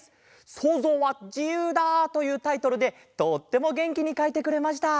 「そうぞうはじゆうだ！」というタイトルでとってもげんきにかいてくれました。